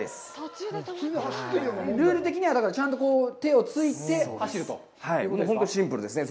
ルール的にはちゃんと手をついて走るということですか。